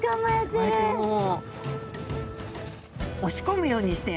こうやってもう押し込むようにして。